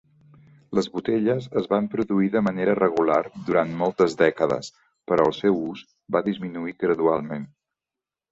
Les botelles es van produir de manera regular durant moltes dècades, però el seu ús va disminuir gradualment.